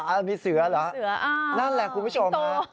อ้าวมีเสื้อเหรออ้าวนั่นแหละกูไม่ชอบมา